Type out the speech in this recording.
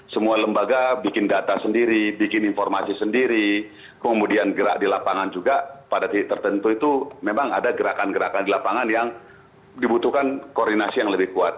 semua lembaga bikin data sendiri bikin informasi sendiri kemudian gerak di lapangan juga pada titik tertentu itu memang ada gerakan gerakan di lapangan yang dibutuhkan koordinasi yang lebih kuat